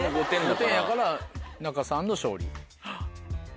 ５点やから仲さんの勝利。